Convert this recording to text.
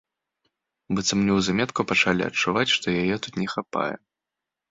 Быццам неўзаметку пачалі адчуваць, што яе тут не хапае.